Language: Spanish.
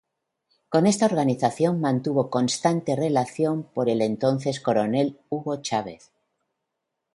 Con esta organización mantuvo constante relación con el entonces Coronel Hugo Chávez.